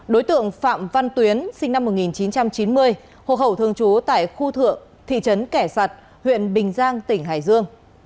đối tượng phạm văn tuyến sinh năm một nghìn chín trăm chín mươi hồ hậu thường trú tại khu thượng thị trấn kẻ sạt huyện bình giang tỉnh hải dương